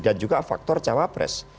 dan juga faktor cawapres